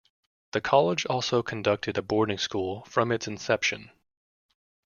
The college also conducted a boarding school from its inception.